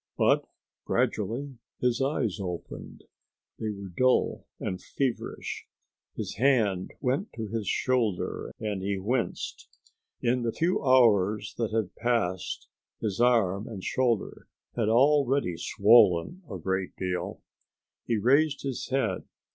But gradually his eyes opened. They were dull and feverish. His hand went to his shoulder and he winced. In the few hours that had passed, his arm and shoulder had already swollen a great deal. He raised his head.